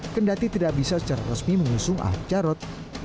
kendati tidak bisa secara resmi mengusung ahok jarot